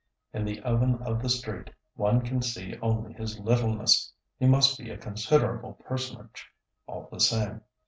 In the oven of the street one can see only his littleness he must be a considerable personage, all the same.